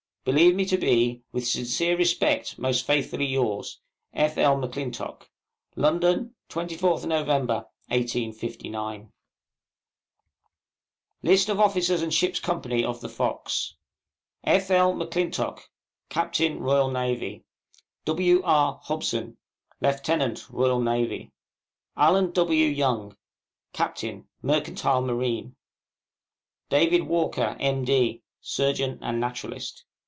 Believe me to be, With sincere respect, most faithfully yours, F. L. M'CLINTOCK. London, 24th Nov., 1859. LIST OF OFFICERS AND SHIP'S COMPANY OF THE 'FOX.' F. L. M'CLINTOCK, Captain R.N. W. R. HOBSON, Lieutenant R.N. ALLEN W. YOUNG, Captain, Mercantile Marine. DAVID WALKER, M.D., Surgeon and Naturalist.